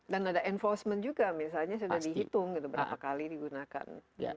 dan ada enforcement juga misalnya sudah dihitung berapa kali digunakan